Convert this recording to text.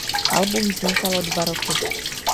Album vznikalo dva roky.